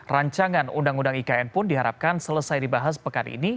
rancangan undang undang ikn pun diharapkan selesai dibahas pekan ini